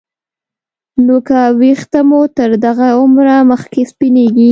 نو که ویښته مو تر دغه عمره مخکې سپینېږي